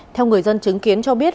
theo người dân chứng kiến cho biết